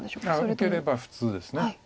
受ければ普通です。